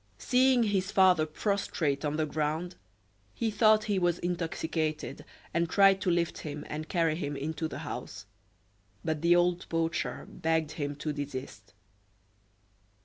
Seeing his father prostrate on the ground, he thought he was intoxicated, and tried to lift him and carry him into the house, but the old poacher begged him to desist.